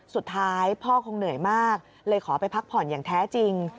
สุดท้ายพ่อคงเหนื่อยมากเลยขอไปพักผ่อนอย่างแท้จริง